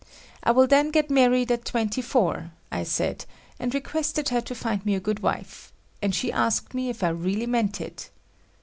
I will then get married at twenty four, I said, and requested her to find me a good wife, and she asked me if I really meant it.